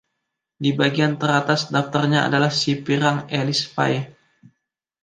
Di bagian teratas daftarnya adalah si pirang Alice Faye.